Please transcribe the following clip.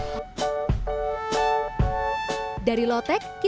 beda dengan lotte karedo menggunakan kacang tanah sangrai